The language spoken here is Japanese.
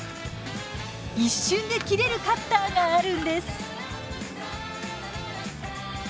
一瞬で切れるカッターがあるんです。